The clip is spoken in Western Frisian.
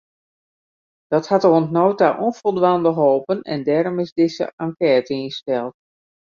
Dat hat oant no ta ûnfoldwaande holpen en dêrom is dizze enkête ynsteld.